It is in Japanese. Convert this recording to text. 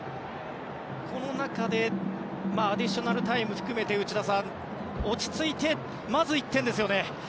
この中でアディショナルタイム含めて内田さん、落ち着いてまず１点ですよね。